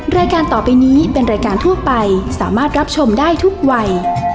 รายการต่อไปนี้เป็นรายการทั่วไปสามารถรับชมได้ทุกวัย